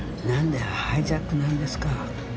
なんでハイジャックなんですか？